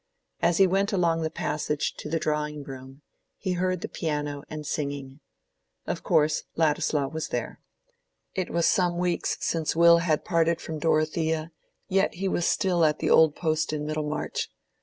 As he went along the passage to the drawing room, he heard the piano and singing. Of course, Ladislaw was there. It was some weeks since Will had parted from Dorothea, yet he was still at the old post in Middlemarch.